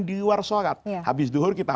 di luar sholat habis duhur kita